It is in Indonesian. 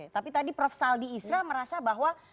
tapi tadi prof saldi isra merasa bahwa